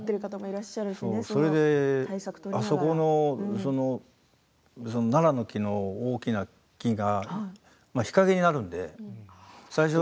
それで、あそこのナラの木の、大きな木が日陰になるので。